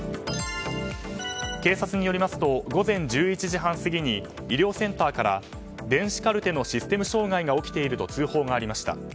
警察によりますと午前１１時半過ぎに医療センターから電子カルテのシステム障害が起きていると通報がありました。